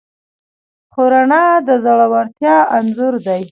خو رڼا د زړورتیا انځور دی.